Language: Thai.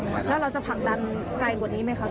แล้วเราจะผลักดันไกลกว่านี้ไหมคะ